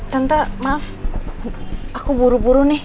tanta maaf aku buru buru nih